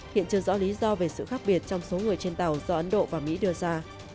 hiện chưa rõ lý do về sự khác biệt trong số người trên tàu do ấn độ và mỹ đưa ra